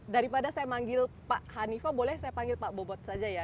daripada saya manggil pak hanifah boleh saya panggil pak bobot saja ya